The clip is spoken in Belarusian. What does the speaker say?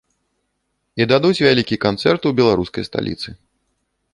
І дадуць вялікі канцэрт у беларускай сталіцы.